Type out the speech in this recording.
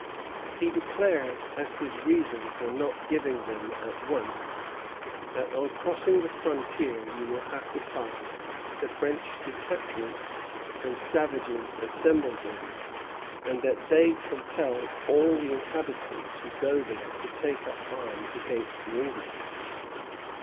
He declares as his reason for not giving them at once, that on crossing the frontier "you will have to pass the French detachments and savages assembled there, and that they compel all the inhabitants who go there to take up arms" against the English.